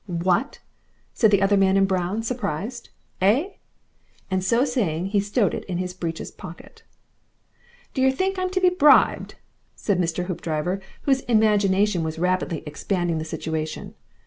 "What!" said the other man in brown, surprised. "Eigh?" And so saying he stowed it in his breeches pocket. "D'yer think I'm to be bribed?" said Mr. Hoopdriver, whose imagination was rapidly expanding the situation.